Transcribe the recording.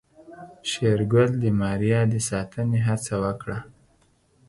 شېرګل د ماريا د ساتنې هڅه وکړه.